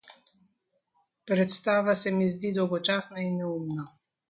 Predstava se mi zdi dolgočasna in precej neumna.